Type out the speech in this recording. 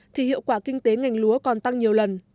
thì hiệu quả kinh tế ngành lúa còn tăng nhiều lần